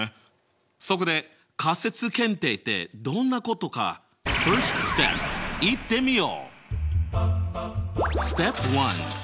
そこで仮説検定ってどんなことかＦｉｒｓｔｓｔｅｐいってみよう！